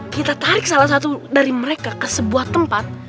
kita tarik salah satu dari mereka ke sebuah tempat